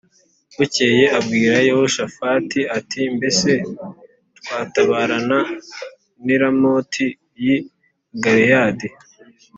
Bukeye abwira Yehoshafati ati “Mbese twatabarana n’i Ramoti y’i Galeyadi?”